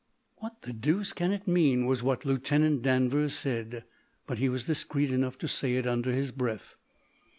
"What the deuce can it mean?" was what Lieutenant Danvers said, but he was discreet enough to say it under his breath.